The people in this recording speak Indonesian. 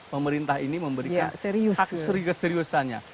pemerintah ini memberikan akses keseriusannya